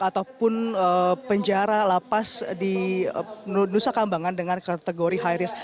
ataupun penjara lapas di nusa kambangan dengan kategori high risk